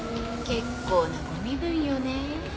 結構なご身分よね。